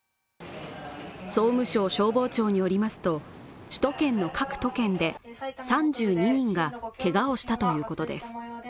総務省消防庁によりますと首都圏の各都県で３２人がけがをしたということでです